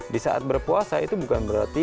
di saat berpuasa itu bukan berarti